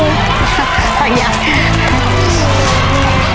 ถุงที่เก้าแล้วนะครับ